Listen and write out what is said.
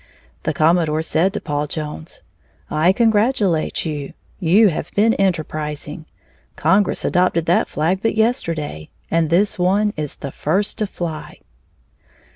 The commodore said to Paul Jones: "I congratulate you; you have been enterprising. Congress adopted that flag but yesterday, and this one is the first to fly."